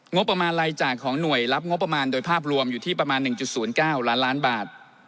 งบประมาณรายจ่ายของหน่วยรับงบประมาณโดยภาพรวมอยู่ที่ประมาณ๑๐๙ล้านล้านบาท